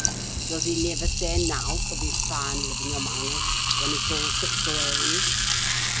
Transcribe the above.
Does he niver say nowt of his fine living amang us, when he goes to t' Grange?